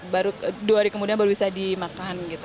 baru dua hari kemudian baru bisa dimakan gitu